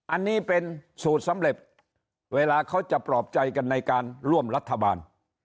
อันนี้เป็นสูตรสำเร็จเวลาเขาจะปลอบใจกันในการร่วมรัฐบาล